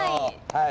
はい。